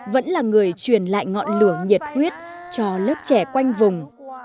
vẫn là người truyền lại ngọn lửa nhiệt huyết cho lớp trẻ quanh vùng